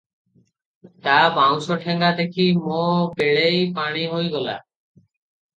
ତା ବାଉଁଶଠେଙ୍ଗା ଦେଖି ମୋ ପିଳେହି ପାଣି ହୋଇଗଲା ।